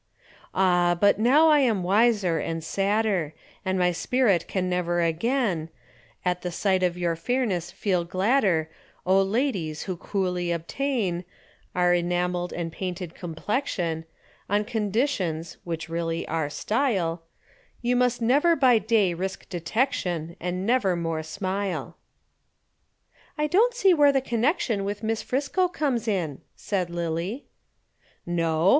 Ah, but now I am wiser and sadder, And my spirit can never again At the sight of your fairness feel gladder, O ladies, who coolly obtain Our enamelled and painted complexion On conditions (which really are "style,") You must never by day risk detection And nevermore smile. "I don't see where the connection with Miss Friscoe comes in," said Lillie. "No?